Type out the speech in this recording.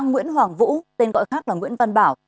nguyễn hoàng vũ tên gọi khác là nguyễn văn bảo